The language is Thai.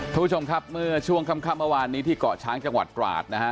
ทุกคนค่ะเมื่อช่วงคำคับเมื่อวานนี้ที่เกาะช้างจังหวัดกราดนะฮะ